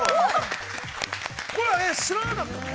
◆これは知らなかったの？